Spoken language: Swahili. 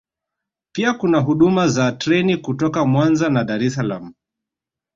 Pia kuna huduma za treni kutoka Mwanza na Dar es Salaam